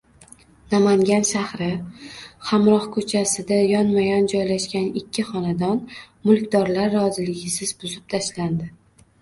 Namangan shahri Hamroh ko‘chasida yonma-yon joylashgan ikki xonadon mulkdorlar roziligisiz buzib tashlandi.